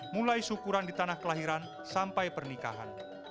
mulai syukuran di tanah kelahiran sampai pernikahan